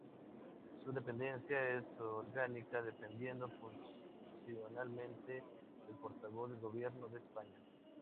Su dependencia es orgánica, dependiendo funcionalmente del Portavoz del Gobierno de España.